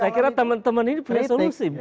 saya kira teman teman ini punya solusi